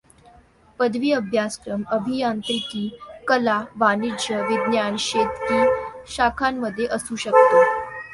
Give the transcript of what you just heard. पदवी अभ्यासक्रम अभियांत्रिकी, कला, वाणिज्य, विज्ञान, शेतकी शाखांमध्या असू शकतो.